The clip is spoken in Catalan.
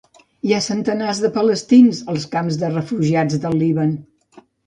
Hi ha centenars de palestins als camps de refugiats del Líban.